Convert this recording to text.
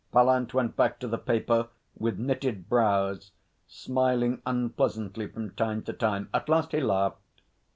Pallant went back to the paper with knitted brows, smiling unpleasantly from time to time. At last he laughed.